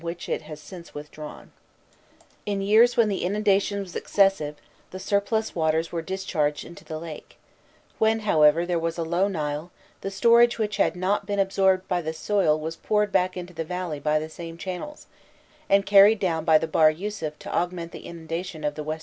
jpg MAP, THE FAYUM] In years when the inundation was excessive, the surplus waters were discharged into the lake; when, however, there was a low Nile, the storage which had not been absorbed by the soil was poured back into the valley by the same channels, and carried down by the Bahr Yûsûf to augment the inundation of the Western Delta.